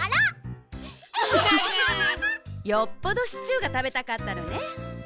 よっぽどシチューがたべたかったのね。